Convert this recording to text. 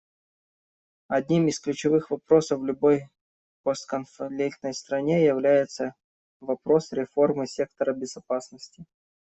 Одним из ключевых вопросов в любой постконфликтной стране является вопрос реформы сектора безопасности.